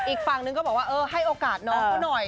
อีกฝั่งนึงก็บอกว่าเออให้โอกาสน้องเขาหน่อย